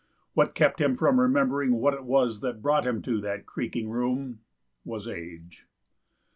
What kept him from remembering what it was That brought him to that creaking room was age.